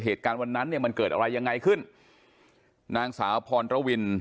เหตุการณ์วันนั้นเนี่ยมันเกิดอะไรยังไงขึ้นนางสาวพรวิน